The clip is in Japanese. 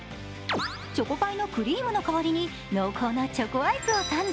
チョコパイのクリームの代わりに、濃厚なチョコアイスをサンド。